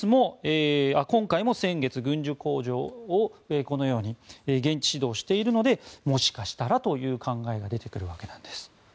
今回も先月、軍需工場をこのように現地指導しているのでもしかしたらという考えが出てくるわけなんです。